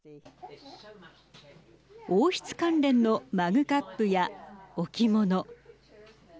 王室関連のマグカップや置物。